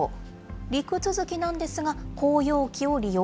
陸続きなんですが、公用機を利用。